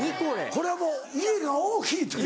これはもう家が大きいという。